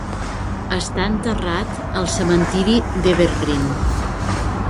Està enterrat al cementiri d'Evergreen.